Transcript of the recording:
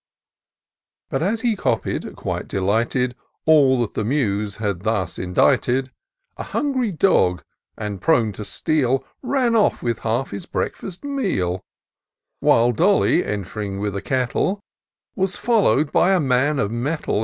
But as he copied, qmte delighted, All that the Muse had thus indited, A hungry dog, and prone to steal. Ban off with half his breakfast meal ; While Dolly, ent'ring with a kettle. Was foUow'd by a man of mettle.